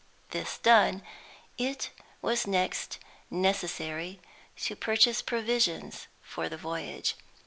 This done, it was next necessary to purchase provisions for the voyage.